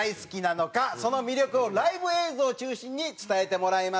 その魅力をライブ映像中心に伝えてもらいます。